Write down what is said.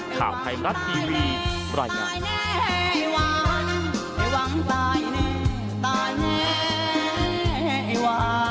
ข่าวไพรัสตีวีปรายงาน